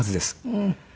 うん。